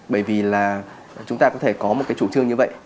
bởi vì là chúng ta có thể có một cái chủ trương như vậy